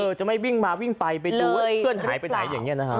จะไม่วิ่งมาวิ่งไปไปดูว่าเพื่อนหายไปไหนอย่างนี้นะฮะ